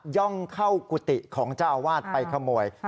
่องเข้ากุฏิของเจ้าอาวาสไปขโมย